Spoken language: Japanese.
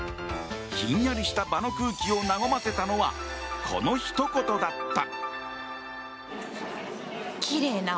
ひんやりした場の空気を和ませたのはこのひと言だった。